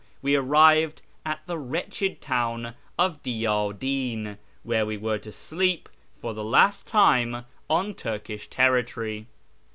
we arrived at the wretched town of Diyadi'n, where we were to sleep for the last time on Turkish territory.